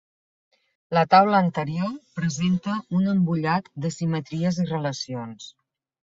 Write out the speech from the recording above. La taula anterior presenta un embullat de simetries i relacions.